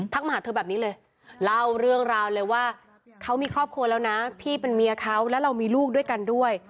มาหาเธอแบบนี้เลยเล่าเรื่องราวเลยว่าเขามีครอบครัวแล้วนะพี่เป็นเมียเขาและเรามีลูกด้วยกันด้วย